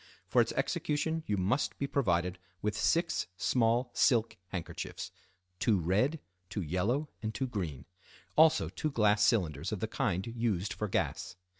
For its execution you must be provided with six small silk handkerchiefs (two red, two yellow, and two green), also two glass cylinders of the kind used for gas.